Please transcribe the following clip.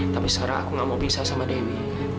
tapi sekarang aku gak mau bisa sama dewi